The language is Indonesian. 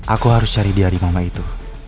aku harus cari dia di mama itu